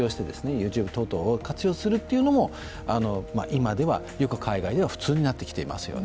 ＹｏｕＴｕｂｅ等々を活用するというのも今では海外では普通になってきていますよね。